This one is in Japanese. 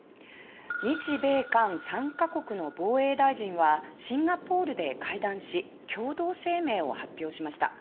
日米韓３か国の防衛大臣はシンガポールで会談し共同声明を発表しました。